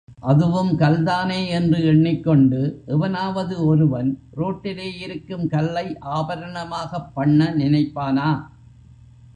அதுவும் கல்தானே என்று எண்ணிக் கொண்டு எவனாவது ஒருவன் ரோட்டிலே இருக்கும் கல்லை ஆபரணமாகப் பண்ண நினைப்பானா?